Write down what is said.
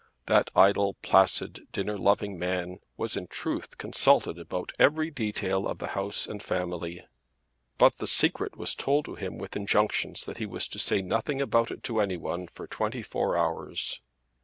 That idle placid dinner loving man was in truth consulted about each detail of the house and family; but the secret was told to him with injunctions that he was to say nothing about it to any one for twenty four hours.